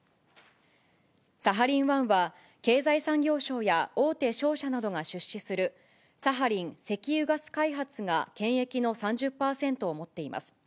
サハリン１は、経済産業省や大手商社などが出資するサハリン石油ガス開発が権益の３０％を持っています。